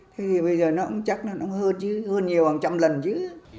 thế thì bây giờ nó cũng chắc nó nóng hơn chứ hơn nhiều hàng trăm lần chứ